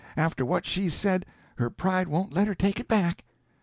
After what she's said, her pride won't let her take it back."